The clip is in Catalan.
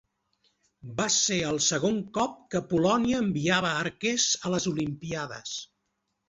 Va ser el segon cop que Polònia enviava arquers a les Olimpíades.